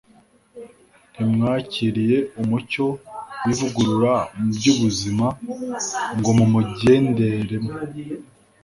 ntimwakiriye umucyo w'ivugurura mu by'ubuzima ngo muwugenderemo